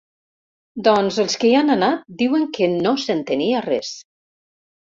Doncs els que hi han anat diuen que no s'entenia res.